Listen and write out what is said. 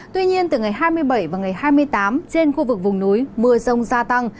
tuy nhiên từ ngày hai mươi bảy và ngày hai mươi tám trên khu vực vùng núi mưa rông gia tăng